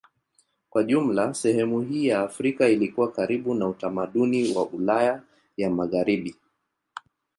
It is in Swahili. Kwa jumla sehemu hii ya Afrika ilikuwa karibu na utamaduni wa Ulaya ya Magharibi.